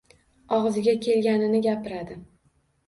Og‘ziga kelganini gapiradi...